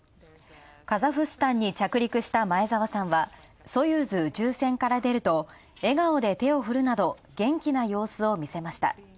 カザフスタンに到着した前澤さんは、ソユーズ宇宙船から出ると、笑顔で手を振るなど、元気な様子を見せました。